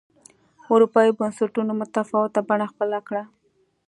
اروپايي بنسټونو متفاوته بڼه خپله کړه.